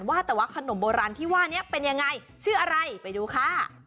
ว่าแต่ว่าขนมโบราณที่ว่านี้เป็นยังไงชื่ออะไรไปดูค่ะ